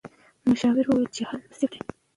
مشاور وویل چې حل مناسب دی.